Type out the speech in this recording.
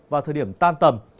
và thời điểm tan tầm